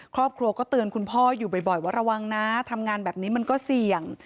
ครอบครัวก็เตือนคุณพ่ออยู่บ่อยว่าระวังนะทำงานแบบนี้มันก็เสี่ยง